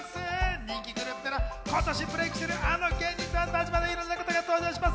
人気グループから今年ブレイクしているあの芸人さんたちまで、いろんな方が登場します。